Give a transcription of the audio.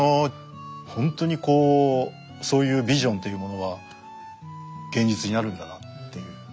ほんとにこうそういうビジョンというものは現実になるんだなっていう。